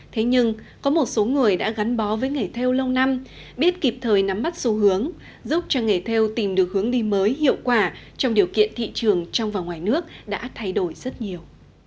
thế nhưng có một số người đã gắn bó với nghề theo lâu năm biết kịp thời nắm mắt xu hướng giúp cho nghề theo tìm được hướng đi mới hiệu quả trong điều kiện thị trường trong và ngoài nước đã thay đổi rất nhiều